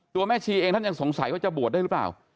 แม่ชีเองท่านยังสงสัยว่าจะบวชได้หรือเปล่า